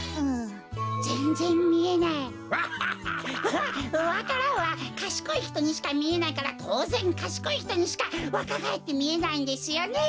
わわか蘭はかしこいひとにしかみえないからとうぜんかしこいひとにしかわかがえってみえないんですよね。